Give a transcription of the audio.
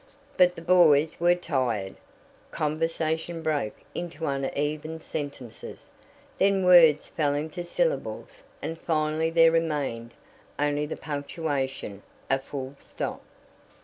But the boys were tired; conversation broke into uneven sentences, then words fell into syllables and finally there remained only the punctuation a full stop.